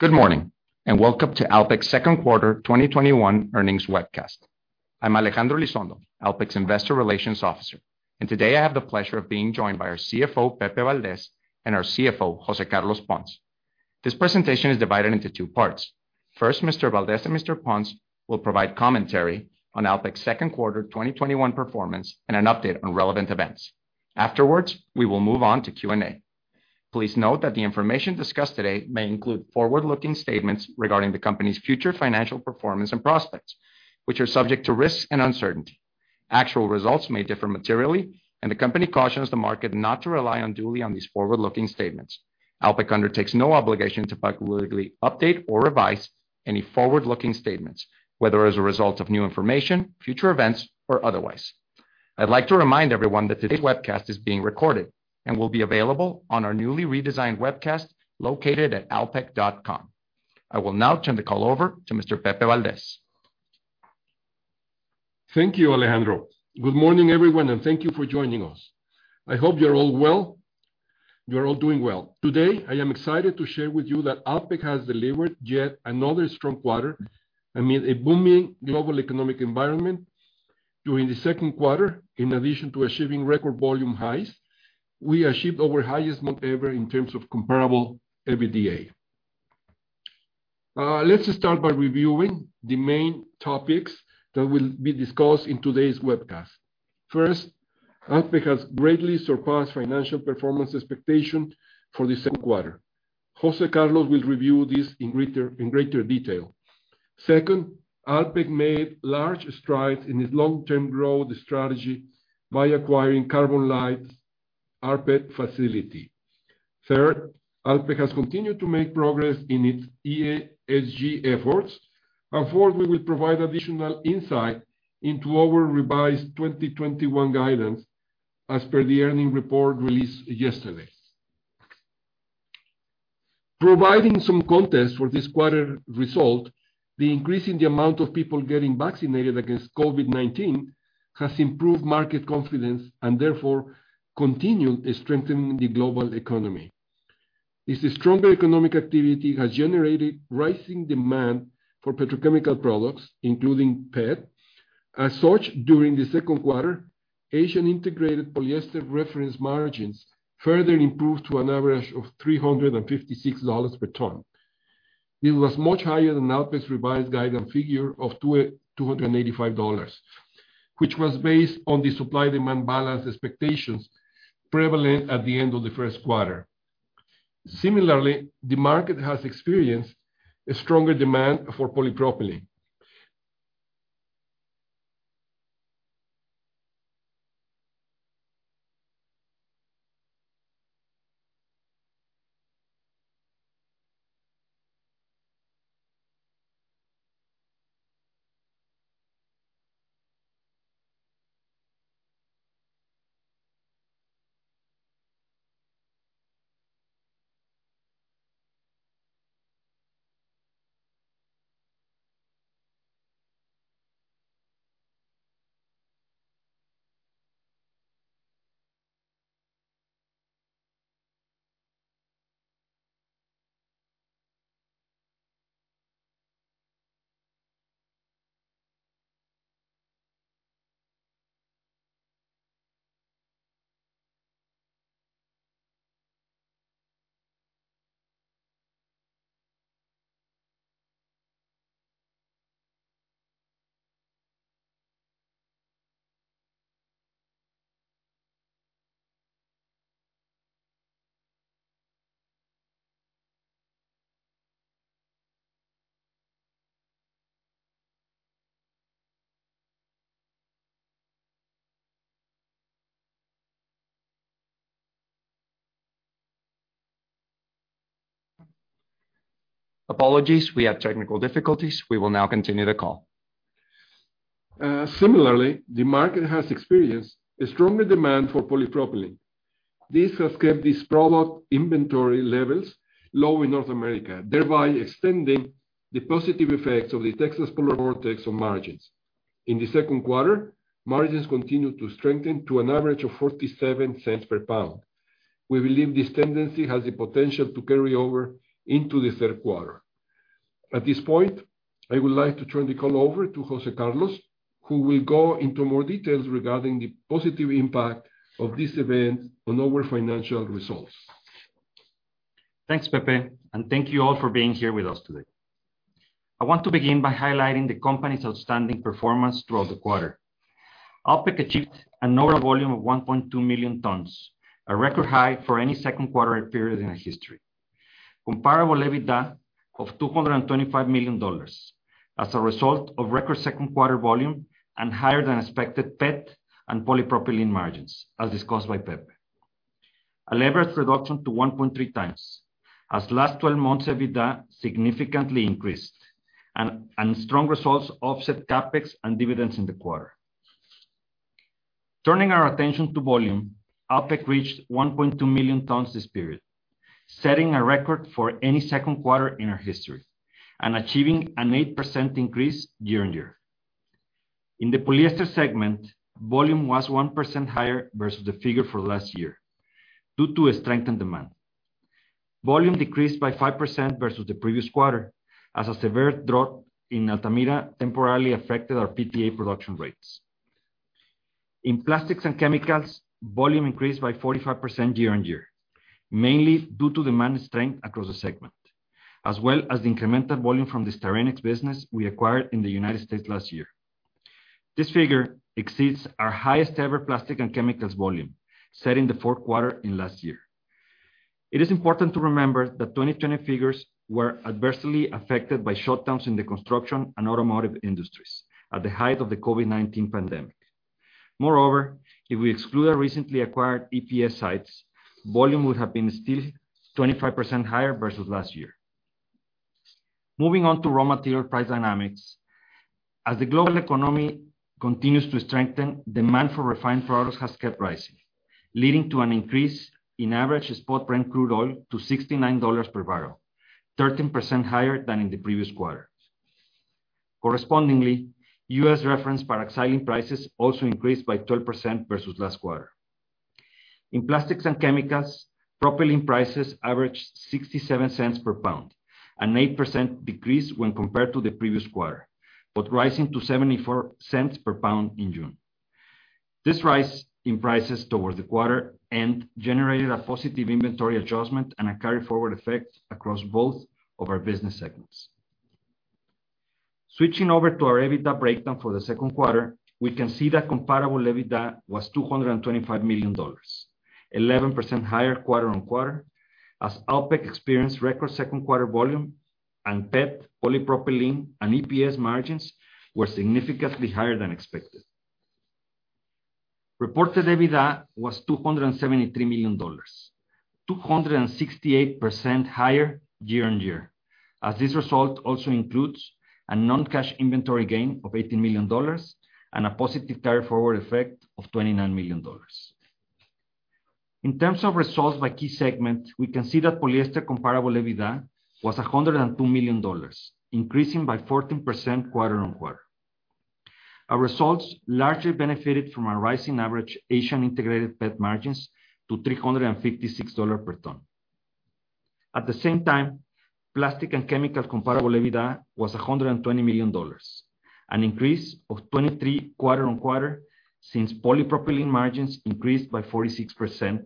Good morning, and welcome to Alpek's second quarter 2021 earnings webcast. I'm Alejandro Elizondo, Alpek's Investor Relations Officer, and today I have the pleasure of being joined by our CEO, José de Jesús Valdez, and our CFO, José Carlos Pons de la Garza. This presentation is divided into two parts. First, Mr. Valdez and Mr. Pons will provide commentary on Alpek's second quarter 2021 performance and an update on relevant events. Afterwards, we will move on to Q&A. Please note that the information discussed today may include forward-looking statements regarding the company's future financial performance and prospects, which are subject to risks and uncertainty. Actual results may differ materially, and the company cautions the market not to rely unduly on these forward-looking statements. Alpek undertakes no obligation to publicly update or revise any forward-looking statements, whether as a result of new information, future events, or otherwise. I'd like to remind everyone that today's webcast is being recorded and will be available on our newly redesigned webcast located at alpek.com. I will now turn the call over to Mr. José de Jesús Valdez Simancas. Thank you, Alejandro. Good morning, everyone, thank you for joining us. I hope you are all well, you are all doing well. Today, I am excited to share with you that Alpek has delivered yet another strong quarter amid a booming global economic environment. During the second quarter, in addition to achieving record volume highs, we achieved our highest month ever in terms of comparable EBITDA. Let's start by reviewing the main topics that will be discussed in today's webcast. First, Alpek has greatly surpassed financial performance expectation for the second quarter. José Carlos will review this in greater detail. Second, Alpek made large strides in its long-term growth strategy by acquiring CarbonLITE's rPET facility. Third, Alpek has continued to make progress in its ESG efforts. Fourth, we will provide additional insight into our revised 2021 guidance as per the earning report released yesterday. Providing some context for this quarter result, the increase in the amount of people getting vaccinated against COVID-19 has improved market confidence and therefore continued strengthening the global economy. This stronger economic activity has generated rising demand for petrochemical products, including PET. As such, during the second quarter, Asian integrated polyester reference margins further improved to an average of $356 per ton. It was much higher than Alpek's revised guidance figure of $285, which was based on the supply-demand balance expectations prevalent at the end of the first quarter. Similarly, the market has experienced a stronger demand for polypropylene. Apologies, we had technical difficulties. We will now continue the call. Similarly, the market has experienced a stronger demand for polypropylene. This has kept this product inventory levels low in North America, thereby extending the positive effects of the Texas polar vortex on margins. In the second quarter, margins continued to strengthen to an average of $0.47 per pound. We believe this tendency has the potential to carry over into the third quarter. At this point, I would like to turn the call over to José Carlos, who will go into more details regarding the positive impact of this event on our financial results. Thanks, José de Jesús Valdez Simancas, thank you all for being here with us today. I want to begin by highlighting the company's outstanding performance throughout the quarter. Alpek achieved a total volume of 1.2 million tons, a record high for any second quarter period in our history. Comparable EBITDA of $225 million as a result of record second quarter volume and higher than expected PET and polypropylene margins, as discussed by José de Jesús Valdez Simancas. A leverage reduction to 1.3x, as last 12 months EBITDA significantly increased, and strong results offset CapEx and dividends in the quarter. Turning our attention to volume, Alpek reached 1.2 million tons this period, setting a record for any second quarter in our history, and achieving an 8% increase year-on-year. In the polyester segment, volume was 1% higher versus the figure for last year due to a strengthened demand. Volume decreased by 5% versus the previous quarter, as a severe drought in Altamira temporarily affected our PTA production rates. In Plastics and Chemicals, volume increased by 45% year-on-year, mainly due to demand strength across the segment, as well as incremental volume from the Styrenics business we acquired in the United States last year. This figure exceeds our highest-ever Plastics and Chemicals volume, set in the fourth quarter in last year. It is important to remember that 2020 figures were adversely affected by shutdowns in the construction and automotive industries at the height of the COVID-19 pandemic. If we exclude our recently acquired EPS sites, volume would have been still 25% higher versus last year. Moving on to raw material price dynamics. As the global economy continues to strengthen, demand for refined products has kept rising, leading to an increase in average spot Brent crude oil to $69 per barrel, 13% higher than in the previous quarter. Correspondingly, U.S. reference paraxylene prices also increased by 12% versus last quarter. In plastics and chemicals, propylene prices averaged $0.67 per pound, an 8% decrease when compared to the previous quarter, but rising to $0.74 per pound in June. This rise in prices towards the quarter end generated a positive inventory adjustment and a carryforward effect across both of our business segments. Switching over to our EBITDA breakdown for the second quarter, we can see that comparable EBITDA was $225 million, 11% higher quarter-on-quarter as Alpek experienced record second quarter volume, and PET, polypropylene, and EPS margins were significantly higher than expected. Reported EBITDA was $273 million, 268% higher year-over-year, as this result also includes a non-cash inventory gain of $18 million and a positive carryforward effect of $29 million. In terms of results by key segment, we can see that polyester comparable EBITDA was $102 million, increasing by 14% quarter-over-quarter. Our results largely benefited from our rising average Asian integrated PET margins to $356 per ton. At the same time, plastic and chemical comparable EBITDA was $120 million, an increase of 23% quarter-over-quarter, since polypropylene margins increased by 46%,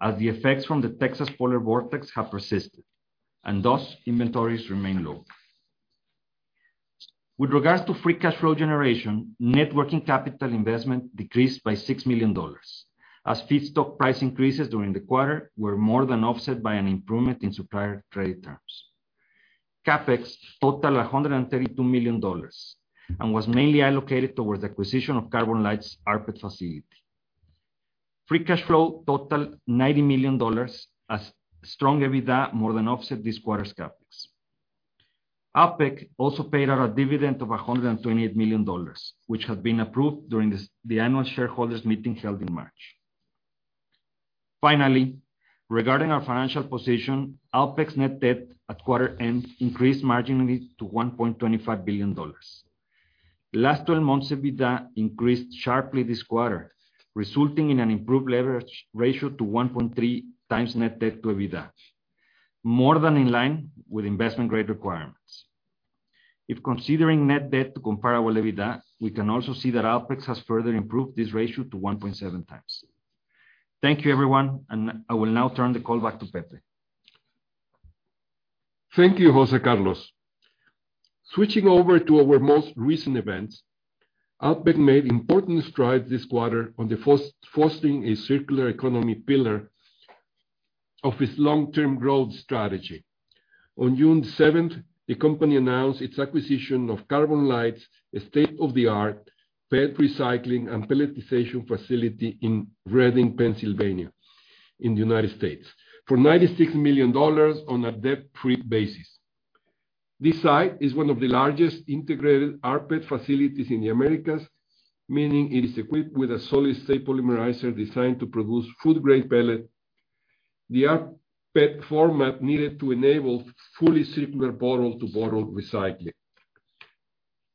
as the effects from the Texas polar vortex have persisted, and thus inventories remain low. With regards to free cash flow generation, net working capital investment decreased by $6 million, as feedstock price increases during the quarter were more than offset by an improvement in supplier trade terms. CapEx total $132 million and was mainly allocated towards acquisition of CarbonLITE's rPET facility. Free cash flow totaled $90 million as strong EBITDA more than offset this quarter's CapEx. Alpek also paid out a dividend of $128 million, which had been approved during the annual shareholders meeting held in March. Finally, regarding our financial position, Alpek's net debt at quarter end increased marginally to $1.25 billion. Last 12 months EBITDA increased sharply this quarter, resulting in an improved leverage ratio to 1.3x net debt to EBITDA, more than in line with investment-grade requirements. If considering net debt to comparable EBITDA, we can also see that Alpek has further improved this ratio to 1.7x. Thank you, everyone, and I will now turn the call back to Pepe. Thank you, José Carlos. Switching over to our most recent events, Alpek made important strides this quarter on the fostering a circular economy pillar of its long-term growth strategy. On June 7th, the company announced its acquisition of CarbonLITE's state-of-the-art PET recycling and pelletization facility in Reading, Pennsylvania, in the U.S., for $96 million on a debt-free basis. This site is one of the largest integrated rPET facilities in the Americas, meaning it is equipped with a solid state polymerizer designed to produce food-grade pellet, the rPET format needed to enable fully circular bottle-to-bottle recycling.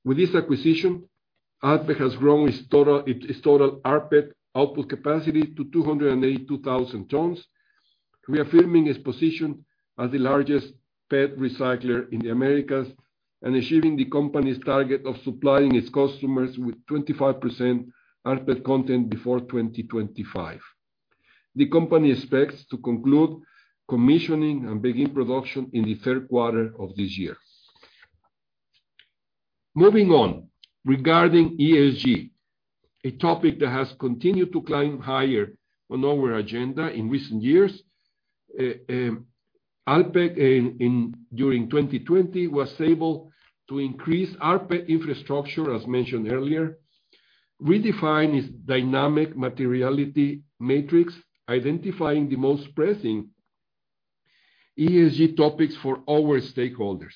With this acquisition, Alpek has grown its total rPET output capacity to 282,000 tons, reaffirming its position as the largest PET recycler in the Americas and achieving the company's target of supplying its customers with 25% rPET content before 2025. The company expects to conclude commissioning and begin production in the third quarter of this year. Moving on. Regarding ESG, a topic that has continued to climb higher on our agenda in recent years, Alpek during 2020, was able to increase rPET infrastructure, as mentioned earlier. Redefined its dynamic materiality matrix, identifying the most pressing ESG topics for our stakeholders.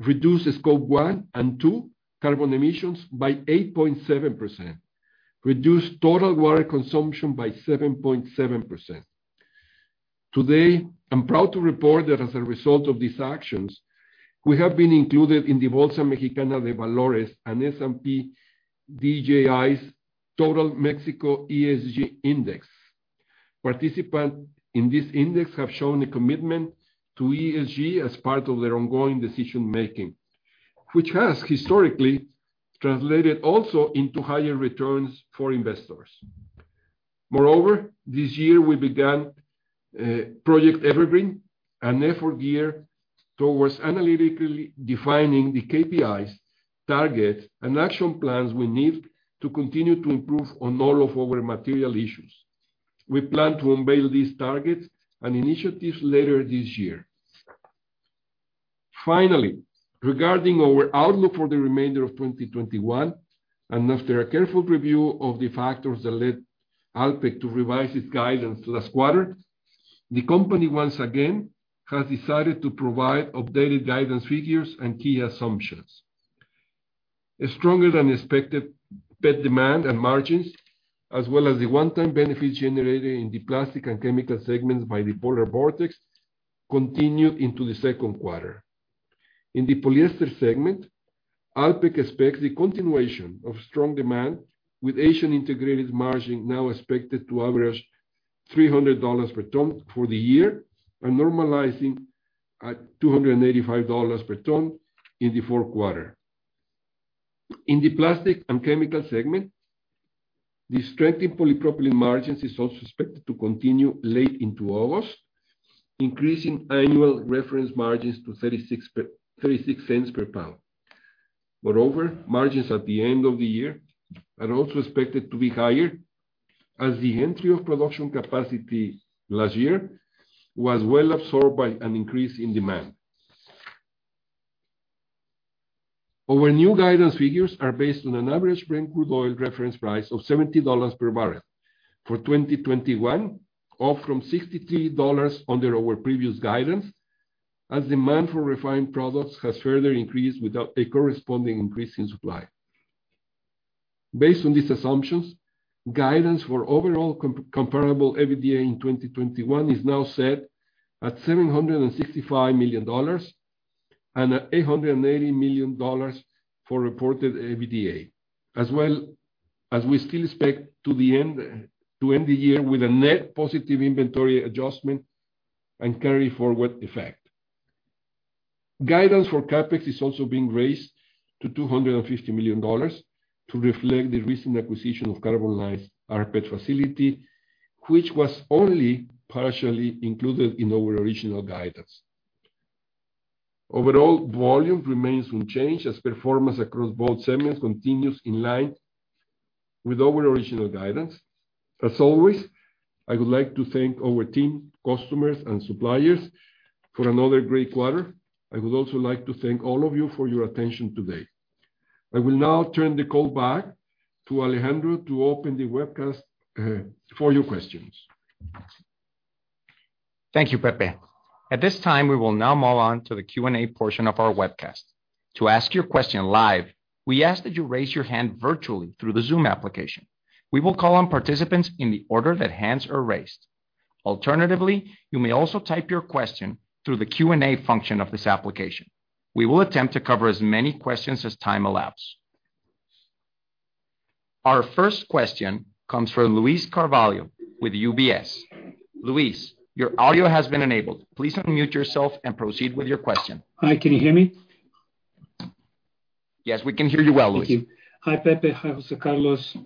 Reduced scope 1 and 2 carbon emissions by 8.7%. Reduced total water consumption by 7.7%. Today, I'm proud to report that as a result of these actions, we have been included in the Bolsa Mexicana de Valores and S&P DJI's S&P/BMV Total Mexico ESG Index. Participants in this index have shown a commitment to ESG as part of their ongoing decision-making, which has historically translated also into higher returns for investors. Moreover, this year we began Project Evergreen, an effort geared towards analytically defining the KPIs, targets, and action plans we need to continue to improve on all of our material issues. We plan to unveil these targets and initiatives later this year. Finally, regarding our outlook for the remainder of 2021, and after a careful review of the factors that led ALPEK to revise its guidance last quarter, the company once again has decided to provide updated guidance figures and key assumptions. A stronger than expected PET demand and margins, as well as the one-time benefits generated in the plastic and chemical segments by the polar vortex, continued into the second quarter. In the polyester segment, ALPEK expects the continuation of strong demand, with Asian integrated margin now expected to average $300 per ton for the year and normalizing at $285 per ton in the fourth quarter. In the Plastics & Chemicals segment, the strength in polypropylene margins is also expected to continue late into August, increasing annual reference margins to $0.36 per pound. Moreover, margins at the end of the year are also expected to be higher, as the entry of production capacity last year was well absorbed by an increase in demand. Our new guidance figures are based on an average Brent crude oil reference price of $70 per barrel for 2021, up from $63 under our previous guidance, as demand for refined products has further increased without a corresponding increase in supply. Based on these assumptions, guidance for overall comparable EBITDA in 2021 is now set at $765 million and at $880 million for reported EBITDA, as well as we still expect to end the year with a net positive inventory adjustment and carry forward effect. Guidance for CapEx is also being raised to $250 million to reflect the recent acquisition of CarbonLITE rPET facility, which was only partially included in our original guidance. Overall volume remains unchanged as performance across both segments continues in line with our original guidance. As always, I would like to thank our team, customers, and suppliers for another great quarter. I would also like to thank all of you for your attention today. I will now turn the call back to Alejandro to open the webcast for your questions. Thank you, Pepe. At this time, we will now move on to the Q&A portion of our webcast. To ask your question live, we ask that you raise your hand virtually through the Zoom application. We will call on participants in the order that hands are raised. Alternatively, you may also type your question through the Q&A function of this application. We will attempt to cover as many questions as time allows. Our first question comes from Luiz Carvalho with UBS. Luiz, your audio has been enabled. Please unmute yourself and proceed with your question. Hi, can you hear me? Yes, we can hear you well, Luiz. Thank you. Hi, Pepe. Hi, José Carlos.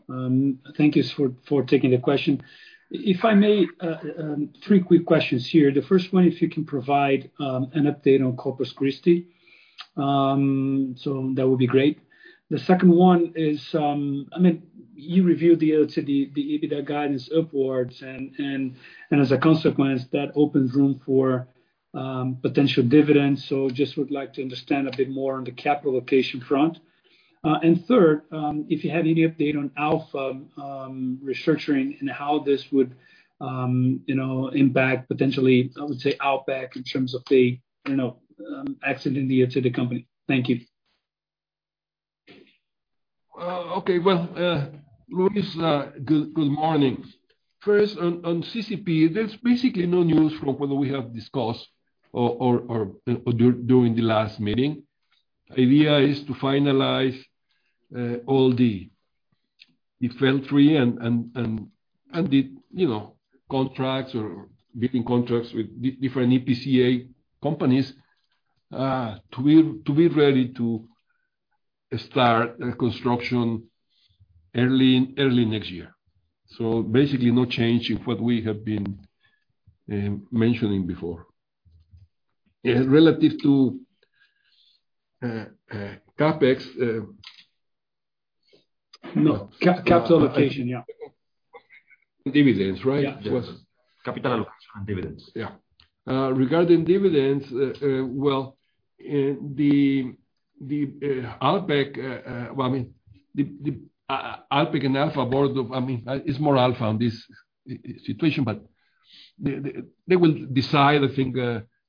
Thank you for taking the question. If I may, three quick questions here. The first one, if you can provide an update on Corpus Christi. That would be great. The second one is, you reviewed the EBITDA guidance upwards, and as a consequence, that opens room for potential dividends. Just would like to understand a bit more on the capital allocation front. Third, if you have any update on Alfa restructuring and how this would impact potentially, I would say, Alpek in terms of the access to the company. Thank you. Okay. Well, Luiz, good morning. First, on CCP, there's basically no news from what we have discussed during the last meeting. Idea is to finalize all the FEED and the contracts or bidding contracts with different EPC companies to be ready to start construction early next year. Basically no change in what we have been mentioning before. Relative to CapEx- No, capital allocation. Yeah. dividends, right? Yeah. Capital allocation and dividends. Yeah. Regarding dividends, well, the ALPEK and Alfa board, it's more Alfa on this situation, but they will decide, I think,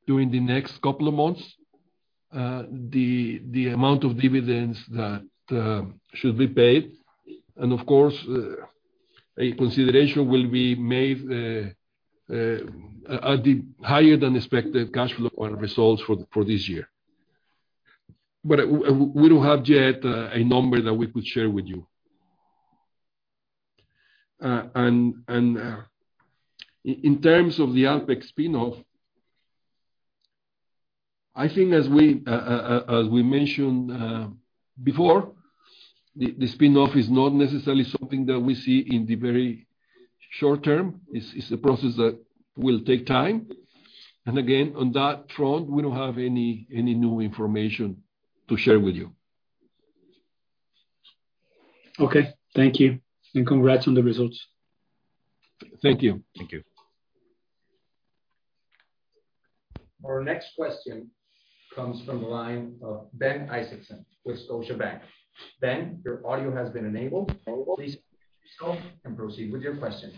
during the next two months. The amount of dividends that should be paid. Of course, a consideration will be made at the higher than expected cash flow results for this year. We don't have yet a number that we could share with you. In terms of the ALPEK spin-off, I think as we mentioned before, the spin-off is not necessarily something that we see in the very short term. It's a process that will take time. Again, on that front, we don't have any new information to share with you. Okay. Thank you. Congrats on the results. Thank you. Thank you. Our next question comes from the line of Ben Isaacson with Scotiabank. Ben, your audio has been enabled. Please proceed with your question.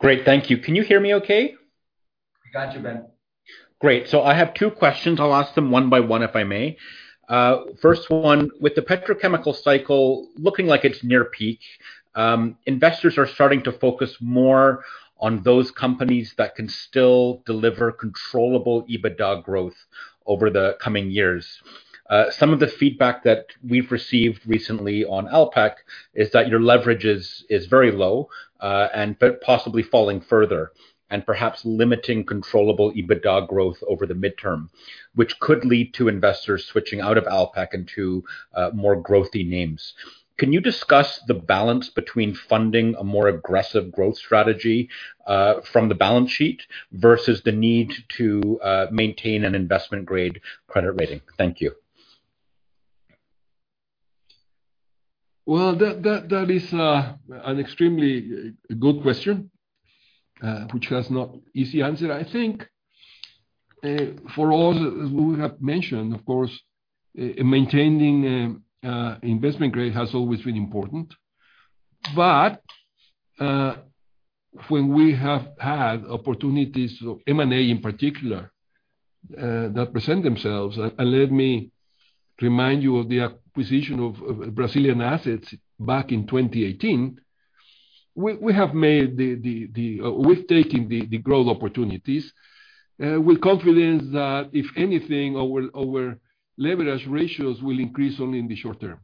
Great. Thank you. Can you hear me okay? We got you, Ben. Great. I have two questions. I'll ask them one by one, if I may. First one, with the petrochemical cycle looking like it's near peak, investors are starting to focus more on those companies that can still deliver controllable EBITDA growth over the coming years. Some of the feedback that we've received recently on Alpek is that your leverage is very low, and possibly falling further, and perhaps limiting controllable EBITDA growth over the midterm, which could lead to investors switching out of Alpek into more growthy names. Can you discuss the balance between funding a more aggressive growth strategy from the balance sheet versus the need to maintain an investment-grade credit rating? Thank you. Well, that is an extremely good question, which has no easy answer. I think for all, as we have mentioned, of course, maintaining investment grade has always been important. When we have had opportunities, M&A in particular, that present themselves, and let me remind you of the acquisition of Brazilian assets back in 2018, we've taken the growth opportunities with confidence that, if anything, our leverage ratios will increase only in the short term.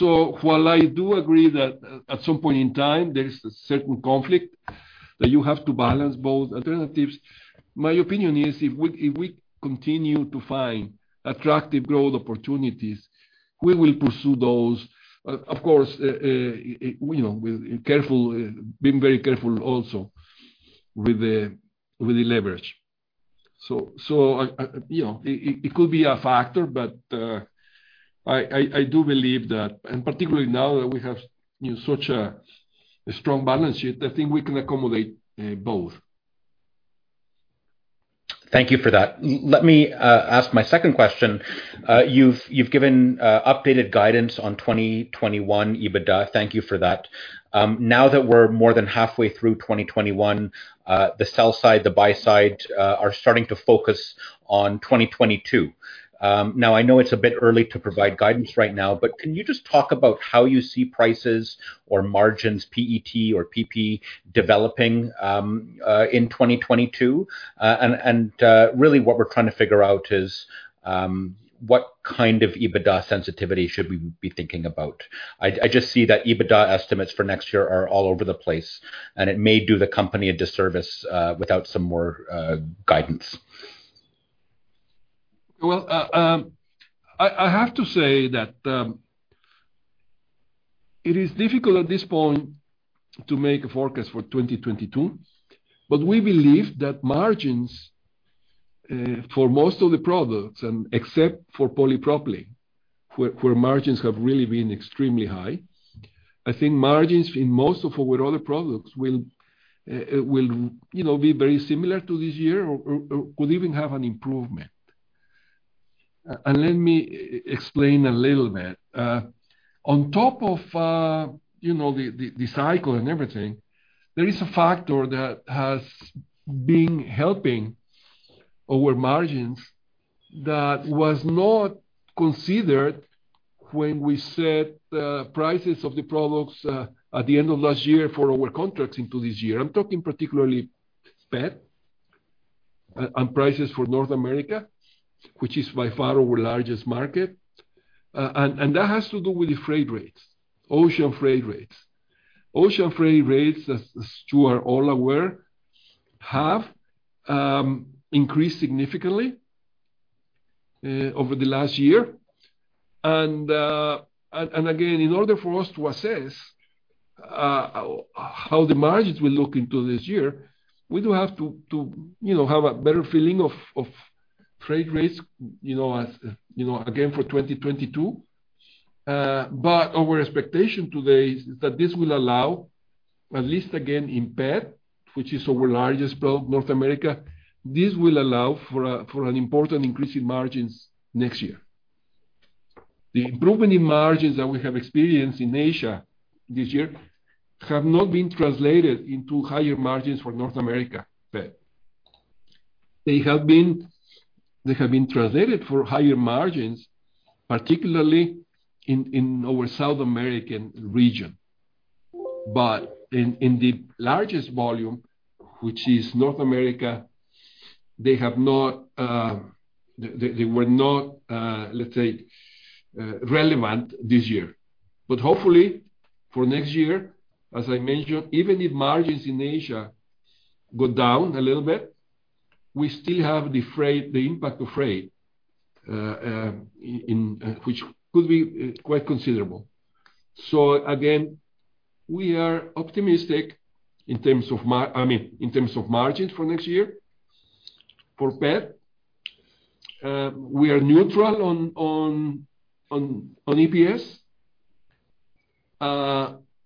While I do agree that at some point in time there is a certain conflict that you have to balance both alternatives, my opinion is if we continue to find attractive growth opportunities, we will pursue those. Of course, being very careful also with the leverage. It could be a factor, but I do believe that, and particularly now that we have such a strong balance sheet, I think we can accommodate both. Thank you for that. Let me ask my second question. You've given updated guidance on 2021 EBITDA. Thank you for that. Now that we're more than halfway through 2021, the sell side, the buy side, are starting to focus on 2022. Now, I know it's a bit early to provide guidance right now, but can you just talk about how you see prices or margins, PET or PP, developing in 2022? Really what we're trying to figure is what kind of EBITDA sensitivity should we be thinking about? I just see that EBITDA estimates for next year are all over the place, and it may do the company a disservice without some more guidance. Well, I have to say that it is difficult at this point to make a forecast for 2022, but we believe that margins for most of the products, and except for polypropylene, where margins have really been extremely high, I think margins in most of our other products will be very similar to this year or could even have an improvement. Let me explain a little bit. On top of the cycle and everything, there is a factor that has been helping our margins that was not considered when we set the prices of the products at the end of last year for our contracts into this year. I'm talking particularly PET and prices for North America, which is by far our largest market. That has to do with the freight rates, ocean freight rates. Ocean freight rates, as you are all aware, have increased significantly over the last year. In order for us to assess how the margins will look into this year, we do have to have a better feeling of freight rates again for 2022. Our expectation today is that this will allow, at least again in PET, which is our largest product, North America, this will allow for an important increase in margins next year. The improvement in margins that we have experienced in Asia this year have not been translated into higher margins for North America PET. They have been translated for higher margins, particularly in our South American region. In the largest volume, which is North America, they were not, let's say, relevant this year. Hopefully for next year, as I mentioned, even if margins in Asia go down a little bit, we still have the impact of freight, which could be quite considerable. Again, we are optimistic in terms of margins for next year for PET. We are neutral on EPS.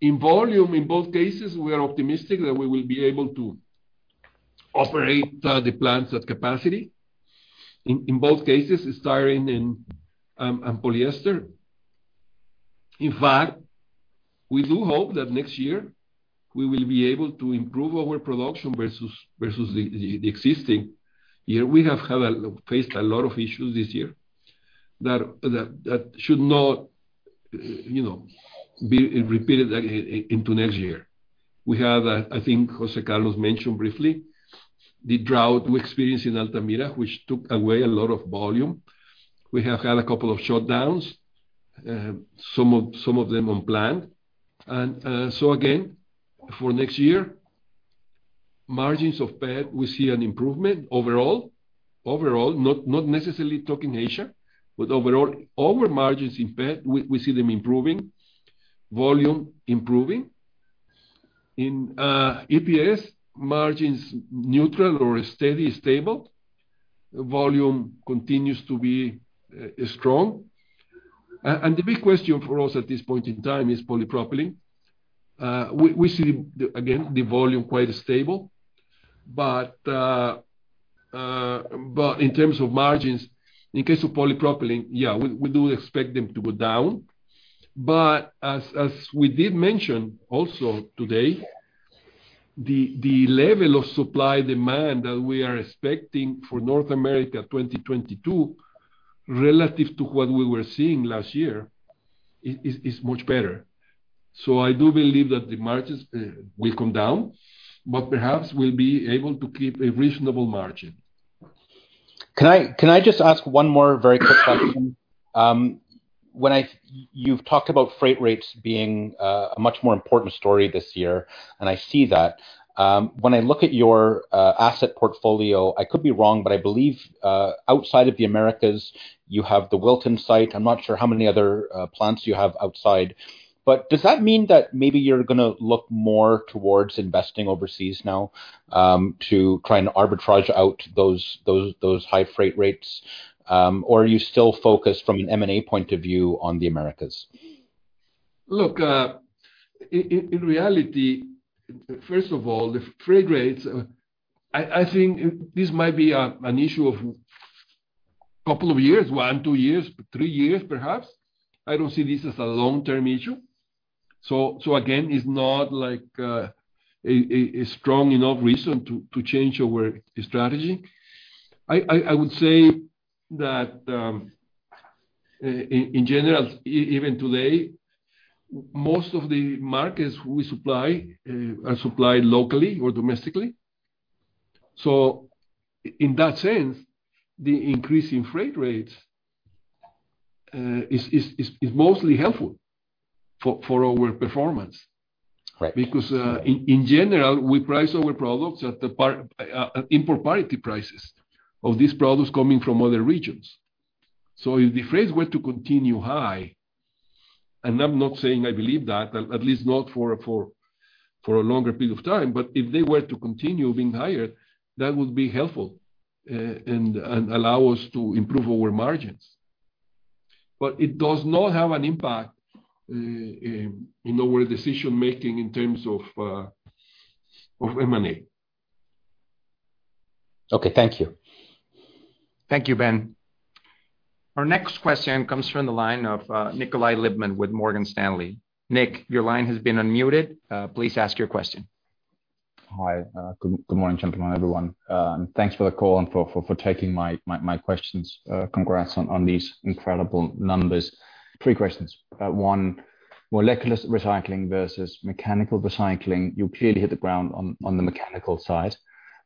In volume, in both cases, we are optimistic that we will be able to operate the plants at capacity, in both cases, styrene and polyester. In fact, we do hope that next year we will be able to improve our production versus the existing year. We have faced a lot of issues this year that should not be repeated into next year. We had, I think José Carlos mentioned briefly, the drought we experienced in Altamira, which took away a lot of volume. We have had a couple of shutdowns, some of them unplanned. Again, for next year, margins of PET, we see an improvement overall. Not necessarily talking Asia, but overall margins in PET, we see them improving, volume improving. In EPS, margins neutral or steady, stable. Volume continues to be strong. The big question for us at this point in time is polypropylene. We see, again, the volume quite stable. In terms of margins, in case of polypropylene, yeah, we do expect them to go down. As we did mention also today, the level of supply-demand that we are expecting for North America 2022, relative to what we were seeing last year, is much better. I do believe that the margins will come down, but perhaps we'll be able to keep a reasonable margin. Can I just ask one more very quick question? You've talked about freight rates being a much more important story this year, I see that. When I look at your asset portfolio, I could be wrong, but I believe outside of the Americas, you have the Wilton site. I'm not sure how many other plants you have outside. Does that mean that maybe you're going to look more towards investing overseas now to try and arbitrage out those high freight rates? Or are you still focused from an M&A point of view on the Americas? In reality, first of all, the freight rates, I think this might be an issue of couple of years, one, two years, three years, perhaps. I don't see this as a long-term issue. Again, it's not a strong enough reason to change our strategy. I would say that, in general, even today, most of the markets we supply are supplied locally or domestically. In that sense, the increase in freight rates is mostly helpful for our performance. Right. In general, we price our products at the import parity prices of these products coming from other regions. If the freight were to continue high, I'm not saying I believe that, at least not for a longer period of time, if they were to continue being higher, that would be helpful and allow us to improve our margins. It does not have an impact in our decision making in terms of M&A. Okay. Thank you. Thank you, Ben. Our next question comes from the line of Nikolaj Lippmann with Morgan Stanley. Nick, your line has been unmuted. Please ask your question. Hi. Good morning, gentlemen, everyone. Thanks for the call and for taking my questions. Congrats on these incredible numbers. Three questions. One, molecular recycling versus mechanical recycling. You clearly hit the ground on the mechanical side,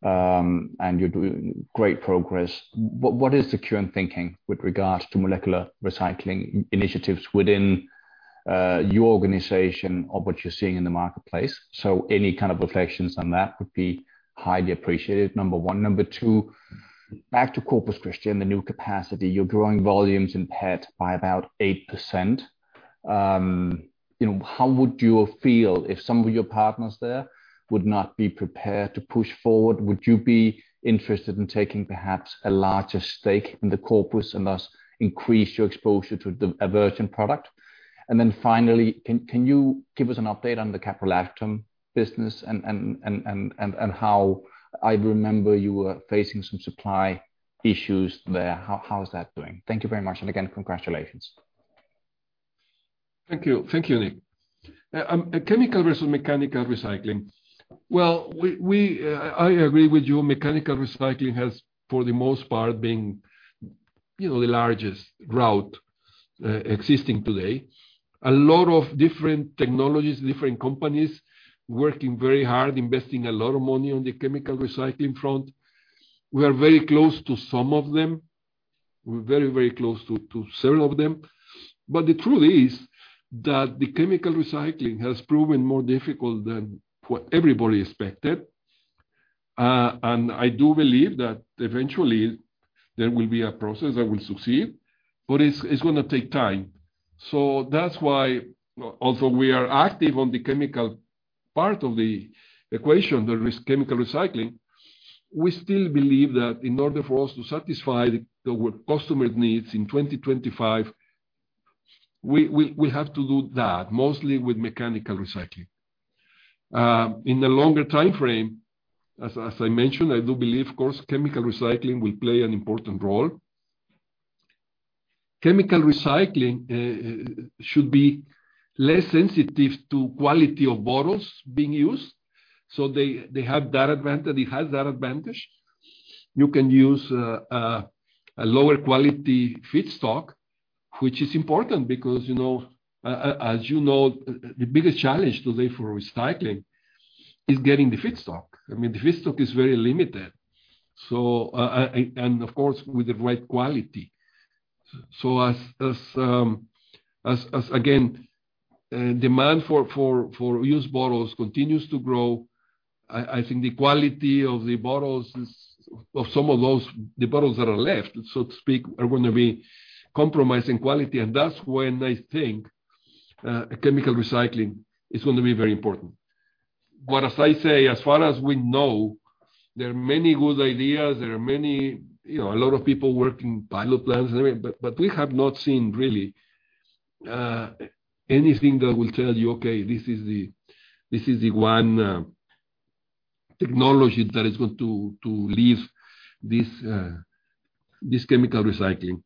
and you're doing great progress. What is the current thinking with regards to molecular recycling initiatives within your organization or what you're seeing in the marketplace? Any kind of reflections on that would be highly appreciated, number one. Number two, back to Corpus Christi and the new capacity. You're growing volumes in PET by about 8%. How would you feel if some of your partners there would not be prepared to push forward? Would you be interested in taking perhaps a larger stake in the Corpus and thus increase your exposure to a virgin product? Finally, can you give us an update on the caprolactam business? I remember you were facing some supply issues there. How is that doing? Thank you very much, and again, congratulations. Thank you, Nick. Chemical versus mechanical recycling. I agree with you. Mechanical recycling has, for the most part, been the largest route existing today. A lot of different technologies, different companies, working very hard, investing a lot of money on the chemical recycling front. We are very close to some of them. We're very close to several of them. The truth is that the chemical recycling has proven more difficult than what everybody expected. I do believe that eventually there will be a process that will succeed, but it's going to take time. That's why, although we are active on the chemical part of the equation, the chemical recycling, we still believe that in order for us to satisfy our customers' needs in 2025, we have to do that mostly with mechanical recycling. In the longer timeframe, as I mentioned, I do believe, of course, chemical recycling will play an important role. Chemical recycling should be less sensitive to quality of bottles being used, so they have that advantage. You can use a lower quality feedstock, which is important because, as you know, the biggest challenge today for recycling is getting the feedstock. The feedstock is very limited, and of course, with the right quality. As, again, demand for used bottles continues to grow, I think the quality of some of the bottles that are left, so to speak, are going to be compromising quality, and that's when I think chemical recycling is going to be very important. As I say, as far as we know, there are many good ideas, there are a lot of people working pilot plans and everything, but we have not seen really anything that will tell you, okay, this is the one technology that is going to leave this chemical recycling.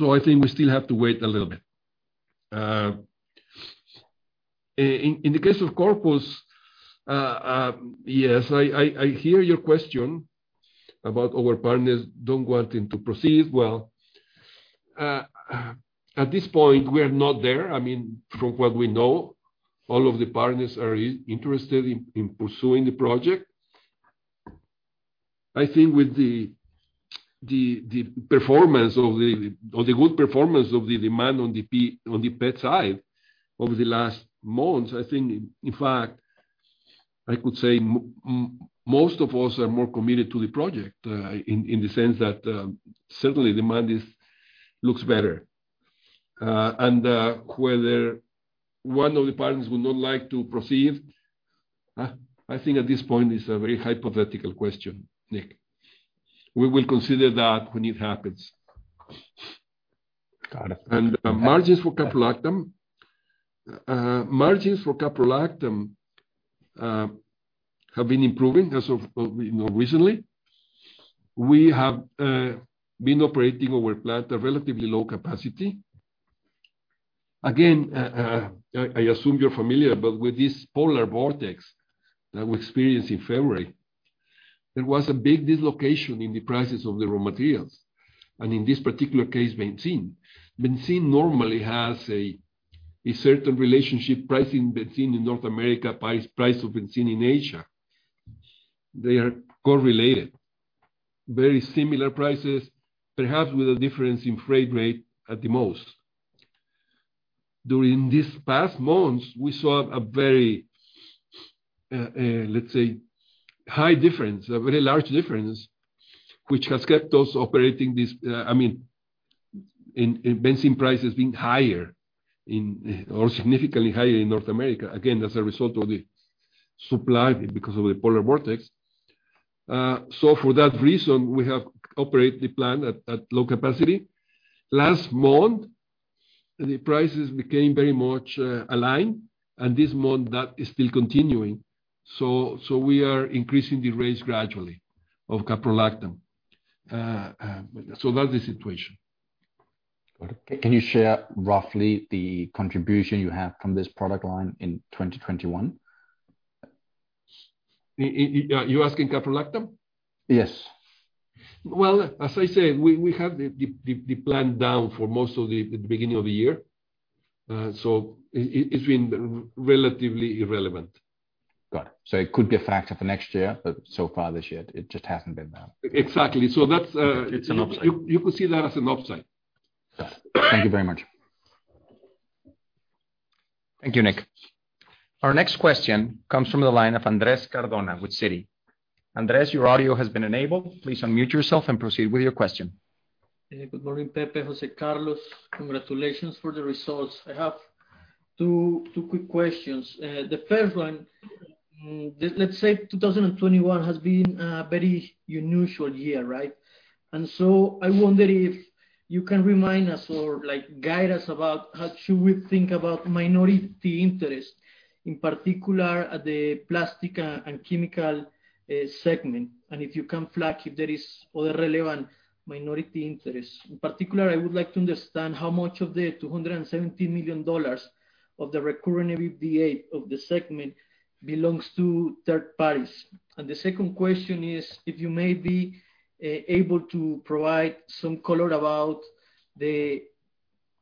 I think we still have to wait a little bit. In the case of Corpus, yes, I hear your question about our partners don't wanting to proceed. At this point, we are not there. From what we know, all of the partners are interested in pursuing the project. I think with the good performance of the demand on the PET side over the last months, I think, in fact, I could say most of us are more committed to the project, in the sense that, certainly, demand looks better. Whether one of the partners would not like to proceed, I think at this point it's a very hypothetical question, Nick. We will consider that when it happens. Got it. Margins for caprolactam have been improving as of recently. We have been operating our plant at relatively low capacity. Again, I assume you are familiar, but with this polar vortex that we experienced in February, there was a big dislocation in the prices of the raw materials, and in this particular case, benzene. Benzene normally has a certain relationship, pricing benzene in North America, price of benzene in Asia. They are correlated. Very similar prices, perhaps with a difference in freight rate at the most. During these past months, we saw a very, let's say, high difference, a very large difference, which has kept those operating these benzene prices being higher, or significantly higher in North America, again, as a result of the supply because of the polar vortex. For that reason, we have operated the plant at low capacity. Last month, the prices became very much aligned, and this month that is still continuing. We are increasing the rates gradually of caprolactam. That's the situation. Got it. Can you share roughly the contribution you have from this product line in 2021? You asking caprolactam? Yes. As I said, we had the plant down for most of the beginning of the year. It's been relatively irrelevant. Got it. It could be a factor for next year, but so far this year, it just hasn't been there. Exactly. It's an upside. You could see that as an upside. Got it. Thank you very much. Thank you, Nick. Our next question comes from the line of Andres Cardona with Citi. Andres, your audio has been enabled. Please unmute yourself and proceed with your question. Good morning, Pepe, Jose Carlos. Congratulations for the results. I have two quick questions. The first one. Let's say 2021 has been a very unusual year, right? I wonder if you can remind us or guide us about how should we think about minority interest, in particular at the Plastics & Chemicals segment, and if you can flag if there is other relevant minority interest. In particular, I would like to understand how much of the $270 million of the recurring EBITDA of the segment belongs to third parties. The second question is, if you may be able to provide some color about the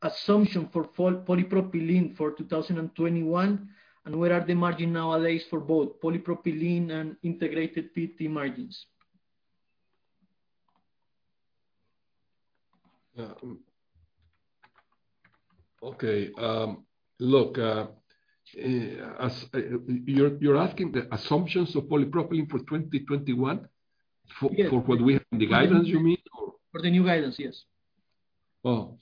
assumption for polypropylene for 2021, and where are the margin nowadays for both polypropylene and integrated PET margins? Okay. Look, you're asking the assumptions of polypropylene for 2021? Yes. For what we have in the guidance, you mean? Or For the new guidance, yes. Oh,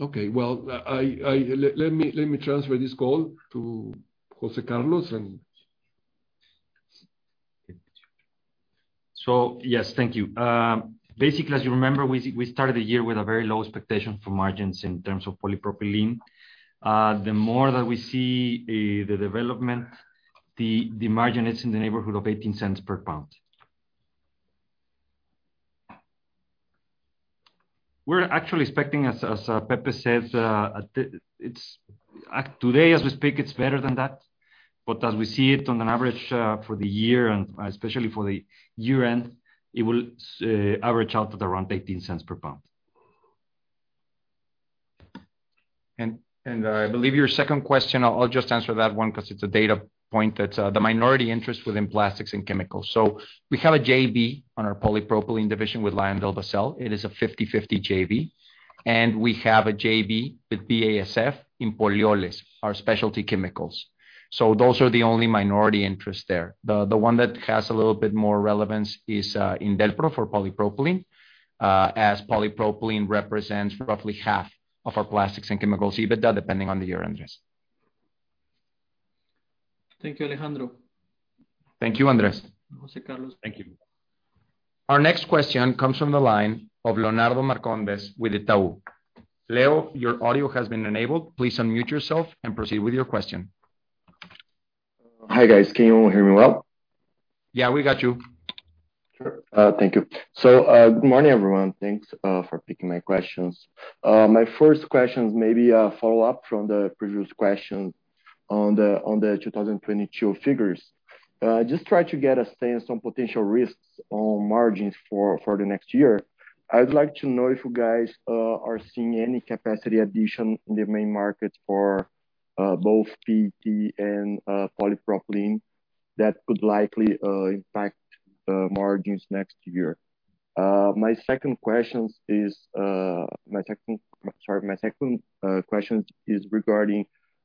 okay. Well, let me transfer this call to José Carlos. Yes, thank you. Basically, as you remember, we started the year with a very low expectation for margins in terms of polypropylene. The more that we see the development, the margin is in the neighborhood of $0.18 per pound. We're actually expecting, as Pepe says, today as we speak, it's better than that. As we see it on an average for the year, and especially for the year-end, it will average out at around $0.18 per pound. I believe your second question, I'll just answer that one because it's a data point, that's the minority interest within Plastics & Chemicals. We have a JV on our polypropylene division with LyondellBasell. It is a 50/50 JV. We have a JV with BASF in Polioles, our specialty chemicals. Those are the only minority interests there. The one that has a little bit more relevance is Indelpro for polypropylene, as polypropylene represents roughly half of our Plastics & Chemicals EBITDA, depending on the year, Andres. Thank you, Alejandro. Thank you, Andres. José Carlos. Thank you. Our next question comes from the line of Leonardo Marcondes with Itaú. Leo, your audio has been enabled. Please unmute yourself and proceed with your question. Hi, guys. Can you hear me well? Yeah, we got you. Sure. Thank you. Good morning, everyone. Thanks for taking my questions. My first question is maybe a follow-up from the previous question on the 2022 figures. Just try to get a stance on potential risks on margins for the next year. I would like to know if you guys are seeing any capacity addition in the main markets for both PET and polypropylene that could likely impact margins next year. My second question is regarding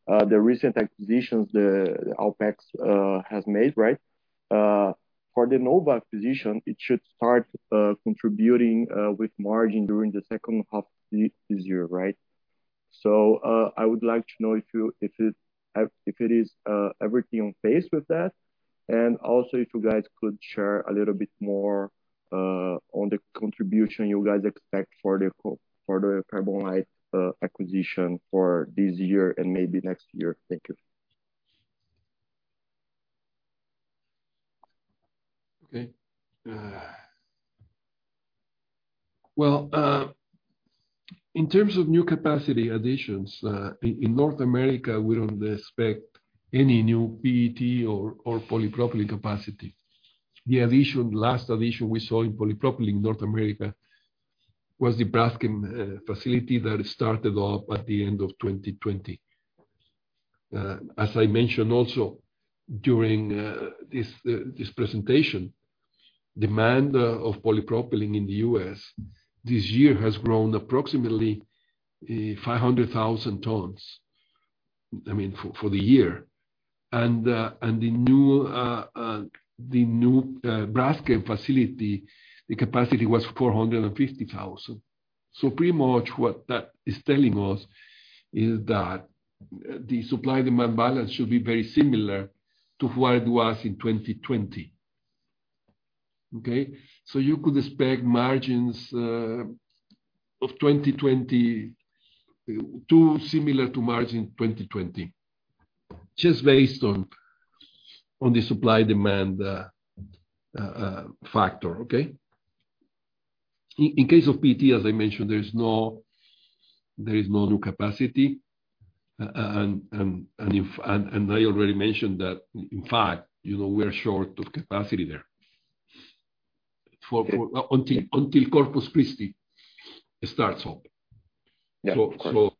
the recent acquisitions that Alpek has made. For the NOVA Chemicals acquisition, it should start contributing with margin during the second half of this year, right? I would like to know if it is everything on pace with that, and also if you guys could share a little bit more on the contribution you guys expect for the CarbonLITE acquisition for this year and maybe next year. Thank you. Well, in terms of new capacity additions, in North America, we don't expect any new PET or polypropylene capacity. The last addition we saw in polypropylene North America was the Braskem facility that started up at the end of 2020. As I mentioned also during this presentation, demand of polypropylene in the U.S. this year has grown approximately 500,000 tons, I mean, for the year. The new Braskem facility, the capacity was 450,000. Pretty much what that is telling us is that the supply-demand balance should be very similar to what it was in 2020. Okay? You could expect margins too similar to margin 2020, just based on the supply-demand factor, okay? In case of PET, as I mentioned, there is no new capacity. I already mentioned that in fact, we're short of capacity there until Corpus Christi starts up.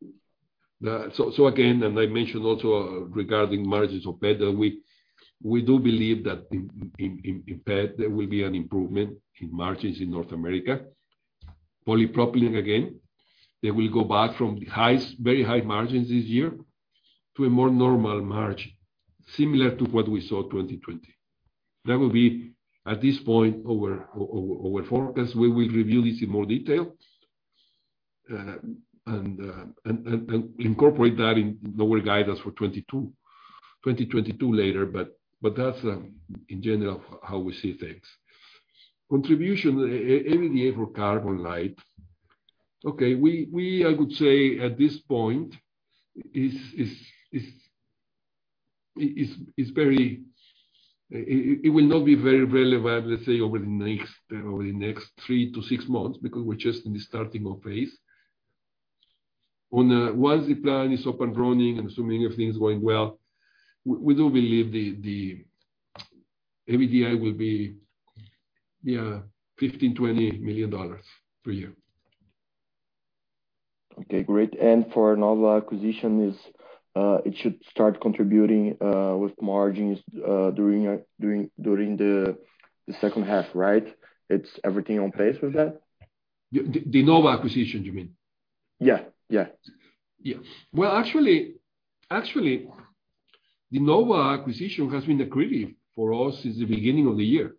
Yeah. Of course. Again, and I mentioned also regarding margins of PET, that we do believe that in PET, there will be an improvement in margins in North America. Polypropylene, again, they will go back from very high margins this year to a more normal margin, similar to what we saw 2020. That will be at this point our forecast. We will review this in more detail and incorporate that in our guidance for 2022 later. That's in general how we see things. Contribution, EBITDA for CarbonLITE. We, I would say at this point, it will not be very relevant, let's say over the next 3-6 months because we're just in the starting of phase. Once the plan is up and running and assuming everything's going well, we do believe the EBITDA will be $15 million-$20 million per year. Okay, great. For NOVA Chemicals acquisition, it should start contributing, with margins during the second half, right? It's everything on pace with that? The NOVA acquisition, you mean? Yeah. Yeah. Well, actually, the Nova acquisition has been accretive for us since the beginning of the year.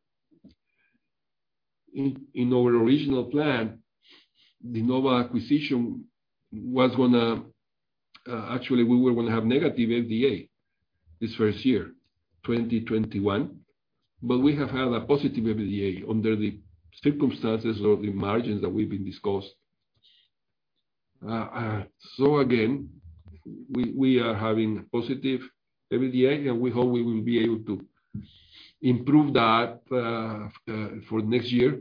In our original plan, the Nova acquisition, actually, we were going to have negative EBITDA this first year, 2021, we have had a positive EBITDA under the circumstances or the margins that we've been discussed. Again, we are having positive EBITDA, we hope we will be able to improve that for next year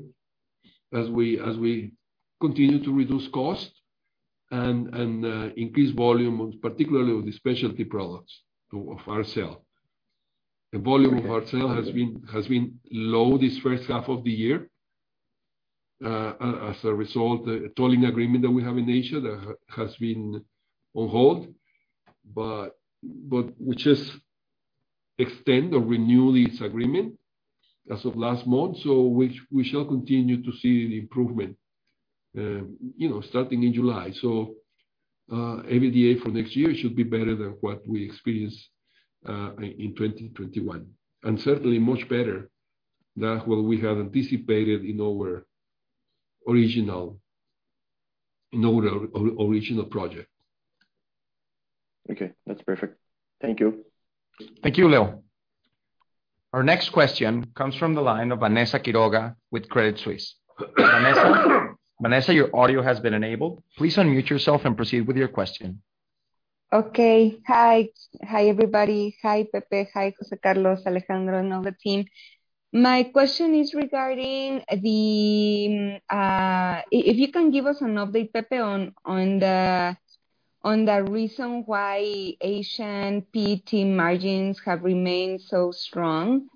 as we continue to reduce cost and increase volume, particularly with the specialty products of our sale. The volume of our sale has been low this first half of the year. As a result, the tolling agreement that we have in Asia that has been on hold, we just extend or renew this agreement as of last month. We shall continue to see the improvement starting in July. EBITDA for next year should be better than what we experienced in 2021, and certainly much better than what we had anticipated in our original project. Okay. That's perfect. Thank you. Thank you, Leo. Our next question comes from the line of Vanessa Quiroga with Credit Suisse. Vanessa, your audio has been enabled. Please unmute yourself and proceed with your question. Okay. Hi. Hi, everybody. Hi, Pepe. Hi, José Carlos, Alejandro, and all the team. My question is regarding, if you can give us an update, Pepe, on the reason why Asian PET margins have remained so strong,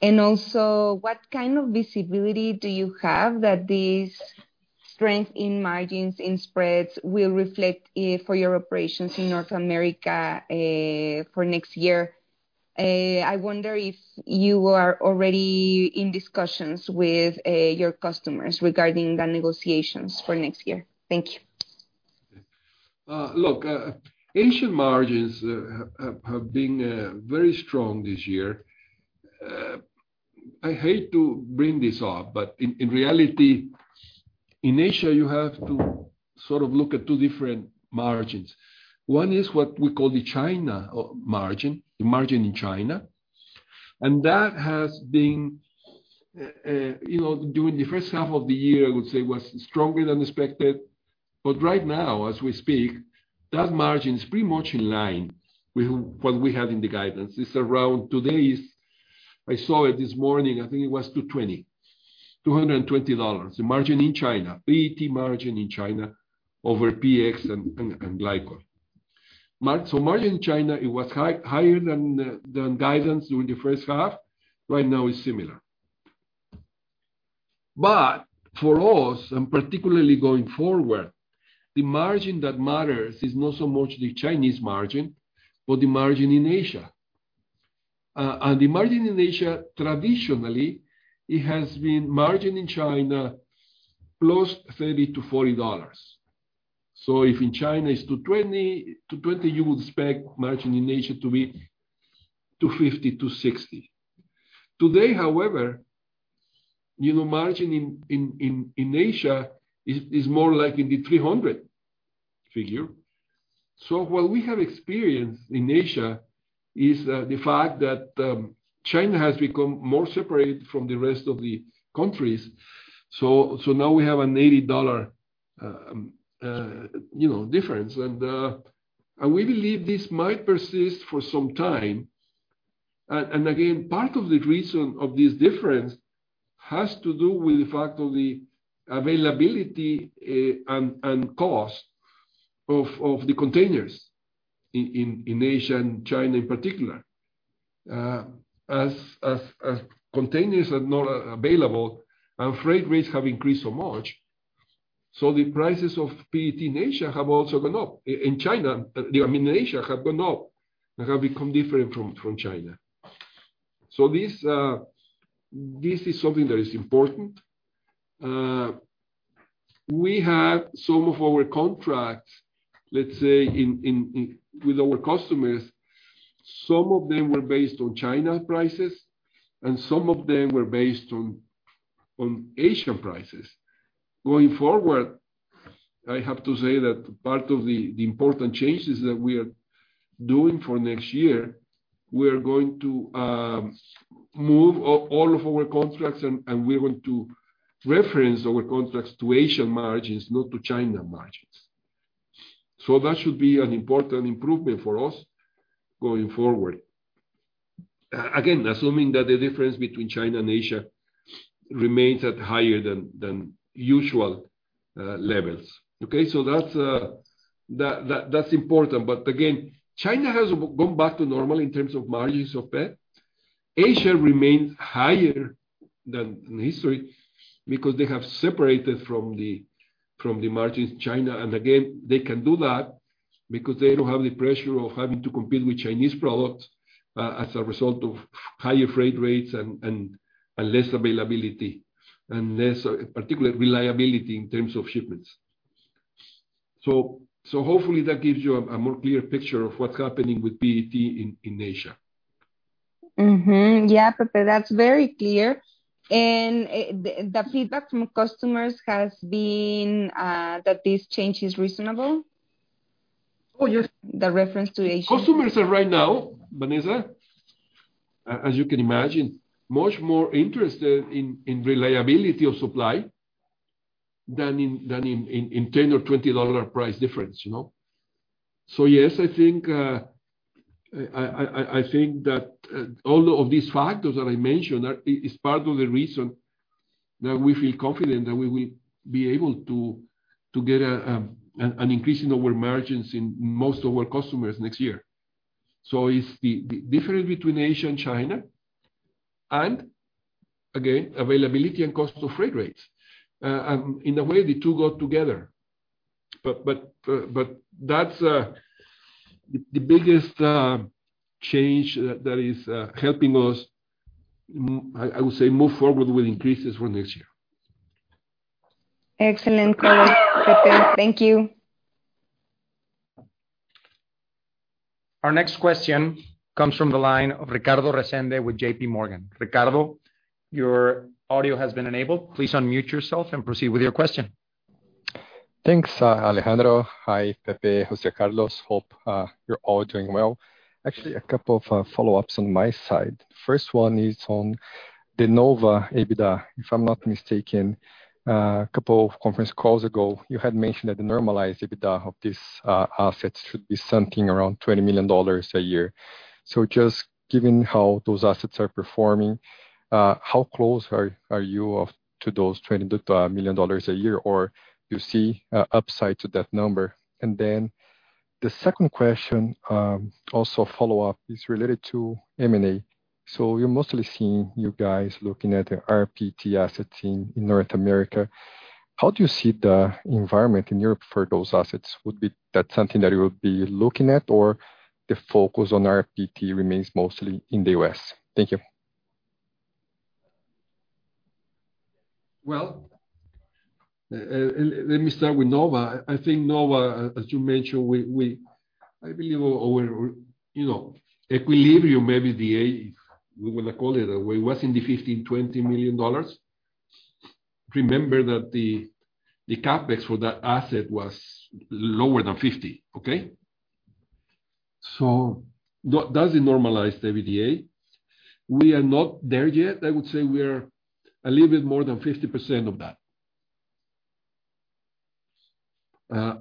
and also what kind of visibility do you have that this strength in margins, in spreads, will reflect for your operations in North America for next year? I wonder if you are already in discussions with your customers regarding the negotiations for next year. Thank you. Look, Asian margins have been very strong this year. I hate to bring this up. In reality, in Asia, you have to sort of look at two different margins. One is what we call the China margin, the margin in China. That has been, during the first half of the year, I would say, was stronger than expected. Right now, as we speak, that margin is pretty much in line with what we have in the guidance. It's around, today is, I saw it this morning, I think it was $220. $220, the margin in China, PET margin in China over PX and glycol. Margin in China, it was higher than the guidance during the first half. Right now, it's similar. For us, and particularly going forward, the margin that matters is not so much the Chinese margin, but the margin in Asia. The margin in Asia, traditionally, it has been margin in China, plus $30-$40. If in China it's $220, you would expect margin in Asia to be $250-$260. Today, however, margin in Asia is more like in the $300 figure. What we have experienced in Asia is the fact that China has become more separated from the rest of the countries. Now we have an $80 difference. We believe this might persist for some time. Again, part of the reason of this difference has to do with the fact of the availability and cost of the containers in Asia, and China in particular. As containers are not available and freight rates have increased so much, the prices of PET in Asia have also gone up. I mean, in Asia, have gone up and have become different from China. This is something that is important. We have some of our contracts, let's say with our customers, some of them were based on China prices and some of them were based on Asian prices. Going forward, I have to say that part of the important changes that we are doing for next year, we are going to move all of our contracts, and we're going to reference our contracts to Asian margins, not to China margins. That should be an important improvement for us going forward. Again, assuming that the difference between China and Asia remains at higher than usual levels. Okay? That's important. Again, China has gone back to normal in terms of margins of PET. Asia remains higher than in history because they have separated from the margins China. Again, they can do that because they don't have the pressure of having to compete with Chinese products, as a result of higher freight rates and less availability, and less particular reliability in terms of shipments. Hopefully that gives you a more clear picture of what's happening with PET in Asia. Yeah, Pepe, that's very clear. The feedback from customers has been that this change is reasonable? Oh, yes. The reference to. Consumers are right now, Vanessa, as you can imagine, much more interested in reliability of supply than in $10 or $20 price difference. Yes, I think that all of these factors that I mentioned are, is part of the reason that we feel confident that we will be able to get an increase in our margins in most of our customers next year. It's the difference between Asia and China, and again, availability and cost of freight rates. In a way, the two go together. That's the biggest change that is helping us, I would say, move forward with increases for next year. Excellent call, Pepe. Thank you. Our next question comes from the line of Ricardo Rezende with JPMorgan. Ricardo, your audio has been enabled. Please unmute yourself and proceed with your question. Thanks, Alejandro. Hi, Pepe, Jose Carlos. Hope you're all doing well. Actually, a couple of follow-ups on my side. First one is on the NOVA EBITDA. If I'm not mistaken, a couple of conference calls ago, you had mentioned that the normalized EBITDA of these assets should be something around $20 million a year. Just given how those assets are performing, how close are you to those $20 million a year, or you see an upside to that number? The second question, also follow-up, is related to M&A. We're mostly seeing you guys looking at the rPET assets in North America. How do you see the environment in Europe for those assets? Would that be something that you would be looking at, or the focus on rPET remains mostly in the U.S.? Thank you. Well, let me start with Nova. I think Nova, as you mentioned, I believe our equilibrium, maybe the A, we want to call it was in the $15 million-$20 million. Remember that the CapEx for that asset was lower than $50 million. Okay? That's a normalized EBITDA. We are not there yet. I would say we are a little bit more than 50% of that.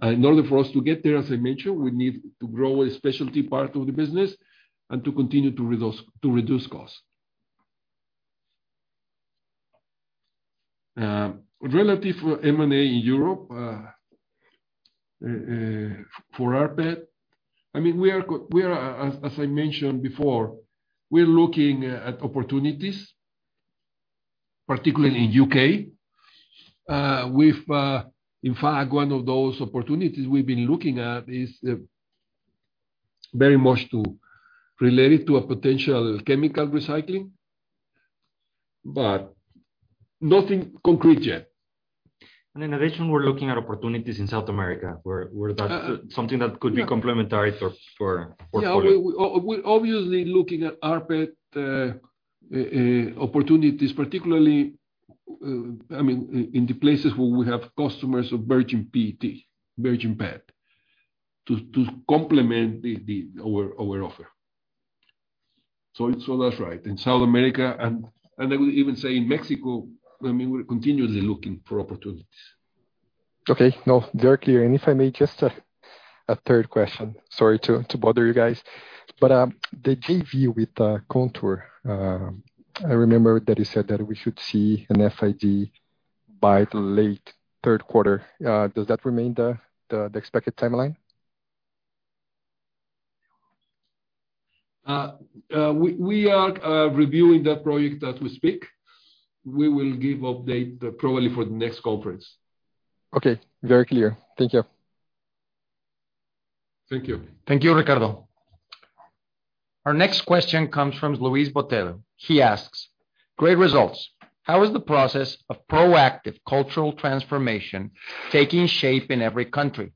In order for us to get there, as I mentioned, we need to grow a specialty part of the business and to continue to reduce cost. Relative M&A in Europe, for rPET, as I mentioned before, we're looking at opportunities, particularly in U.K. In fact, one of those opportunities we've been looking at is very much related to a potential chemical recycling, nothing concrete yet. In addition, we're looking at opportunities in South America, where that's something that could be complementary for our portfolio. Yeah. We're obviously looking at rPET opportunities, particularly in the places where we have customers of virgin PET to complement our offer. That's right. In South America, and I would even say in Mexico, we're continually looking for opportunities. Okay. No, very clear. If I may, just a third question. Sorry to bother you guys. The JV with ContourGlobal, I remember that you said that we should see an FID by the late third quarter. Does that remain the expected timeline? We are reviewing that project as we speak. We will give update probably for the next conference. Okay. Very clear. Thank you. Thank you. Thank you, Ricardo. Our next question comes from Luiz Botero. He asks, "Great results. How is the process of proactive cultural transformation taking shape in every country?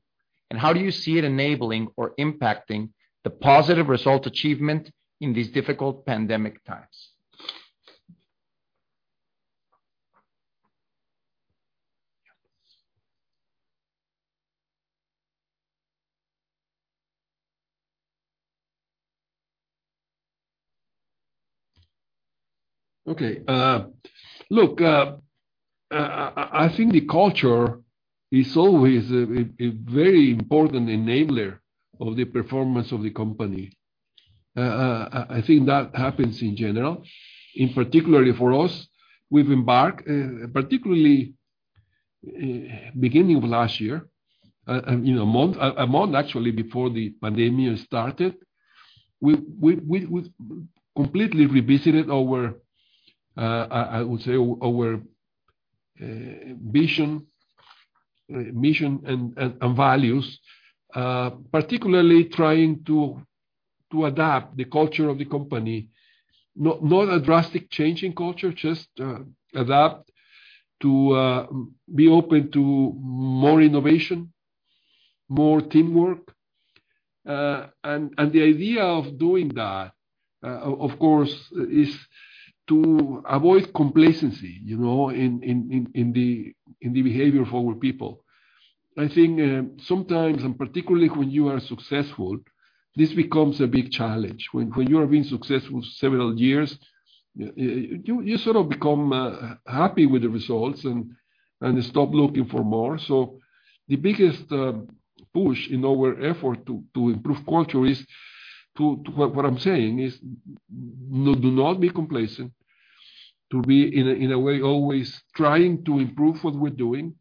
How do you see it enabling or impacting the positive result achievement in these difficult pandemic times? Okay. Look, I think the culture is always a very important enabler of the performance of the company. I think that happens in general. In particular for us, we've embarked, particularly beginning of last year, a month actually before the pandemic started, we completely revisited, I would say, our vision, mission, and values, particularly trying to adapt the culture of the company. Not a drastic change in culture, just adapt to be open to more innovation, more teamwork. The idea of doing that, of course, is to avoid complacency in the behavior of our people. I think sometimes, and particularly when you are successful, this becomes a big challenge. When you have been successful several years, you sort of become happy with the results and stop looking for more. The biggest push in our effort to improve culture is to what I'm saying, is do not be complacent, to be in a way, always trying to improve what we're doing.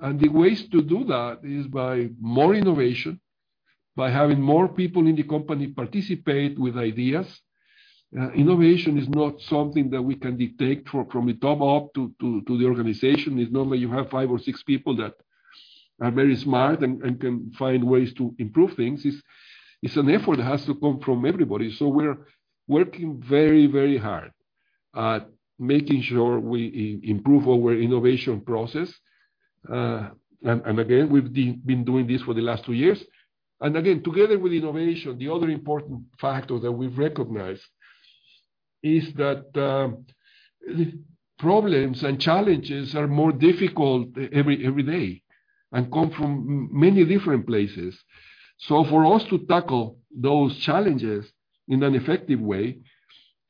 The ways to do that is by more innovation, by having more people in the company participate with ideas. Innovation is not something that we can dictate from the top up to the organization. It's not that you have five or six people that are very smart and can find ways to improve things. It's an effort that has to come from everybody. We're working very hard at making sure we improve our innovation process. Again, we've been doing this for the last two years. Again, together with innovation, the other important factor that we've recognized is that problems and challenges are more difficult every day and come from many different places. For us to tackle those challenges in an effective way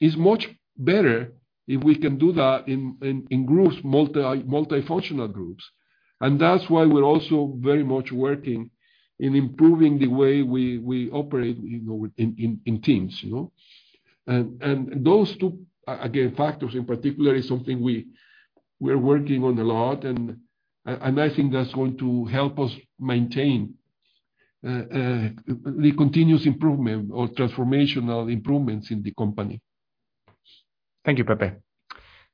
is much better if we can do that in groups, multifunctional groups. That's why we're also very much working in improving the way we operate in teams. Those two, again, factors in particular is something we're working on a lot, and I think that's going to help us maintain the continuous improvement or transformational improvements in the company. Thank you, Pepe.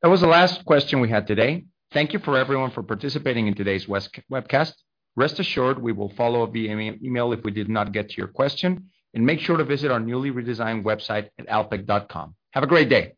That was the last question we had today. Thank you for everyone for participating in today's webcast. Rest assured, we will follow up via email if we did not get to your question. Make sure to visit our newly redesigned website at alpek.com. Have a great day.